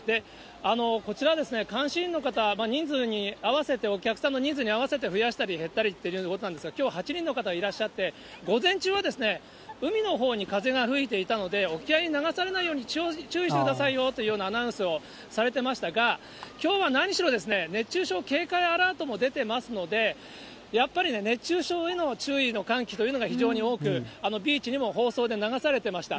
こちら、監視員の方、人数に合わせて、お客さんの人数に合わせて増やしたり減ったりということなんですが、きょう８人の方がいらっしゃって、午前中は、海のほうに風が吹いていたので、沖合に流されないように注意してくださいよというようなアナウンスをされてましたが、きょうは何しろですね、熱中症警戒アラートも出ていますので、やっぱりね、熱中症への注意の喚起というのが非常に多く、ビーチにも放送で流されていました。